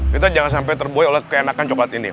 kita jangan sampai terbuai oleh keenakan coklat ini